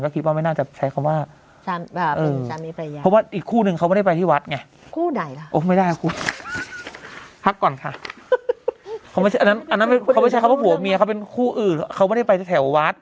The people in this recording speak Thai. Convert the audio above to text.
ก็คิดว่าไม่น่าจะใช้คำว่าเป็นสามีภรรยา